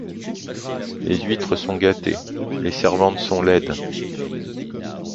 Les huîtres sont gâtées, les servantes sont laides.